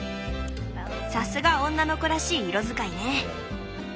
さすが女の子らしい色使いね。